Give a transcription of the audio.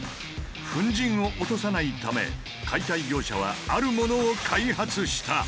粉じんを落とさないため解体業者はあるものを開発した。